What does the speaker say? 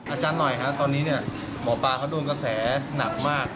อาจารย์หน่อยครับตอนนี้เนี่ยหมอปลาเขาโดนกระแสหนักมาก